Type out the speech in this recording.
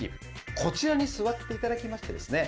こちらに座って頂きましてですね